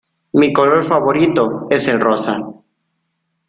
Mi color favorito es el rosa